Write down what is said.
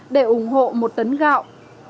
để ủng hộ một tấn gạo